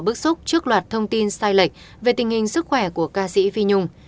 bức xúc trước loạt thông tin sai lệch về tình hình sức khỏe của ca sĩ phi nhung